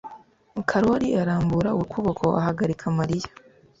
Karoli arambura ukuboko ahagarika Mariya.